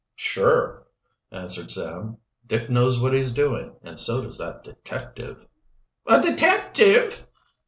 "Sure," answered Sam. "Dick knows what he's doing, and so does that detective." "A detective!"